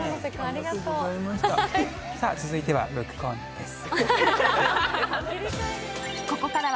続いてはブックコーナーです。